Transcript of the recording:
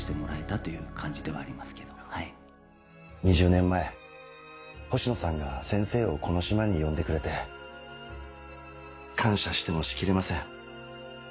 ２０年前、星野さんが先生をこの島に呼んでくれて感謝してもしきれません。